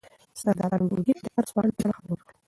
سردارانو ګورګین ته د عرض پاڼې په اړه خبر ورکړ.